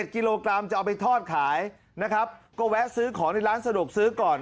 กิโลกรัมจะเอาไปทอดขายนะครับก็แวะซื้อของในร้านสะดวกซื้อก่อน